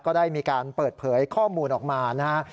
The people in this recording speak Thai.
ก็ได้มีการเปิดเผยข้อมูลออกมานะครับ